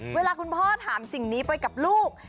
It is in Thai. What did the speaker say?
เวลาคุณพ่อถามสิ่งนี้ไปกับลูก